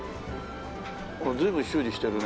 これ随分修理してるね。